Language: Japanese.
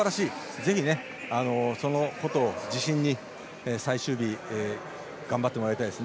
ぜひ、そのことを自信に最終日、頑張ってもらいたいです。